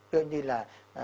ví dụ như là